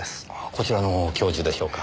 こちらの教授でしょうか？